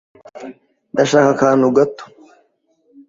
Ndashaka akantu gato.